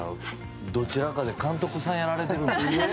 どちらかで監督さんやられてます？